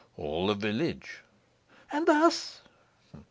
"All the village." "And us?"